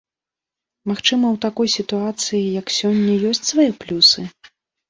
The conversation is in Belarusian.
Магчыма, у такой сітуацыі, як сёння, ёсць свае плюсы?